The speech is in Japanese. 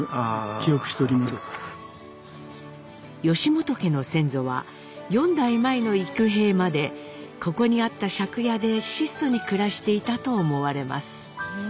本家の先祖は４代前の幾平までここにあった借家で質素に暮らしていたと思われます。